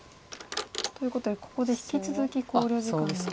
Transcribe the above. ということでここで引き続き考慮時間です。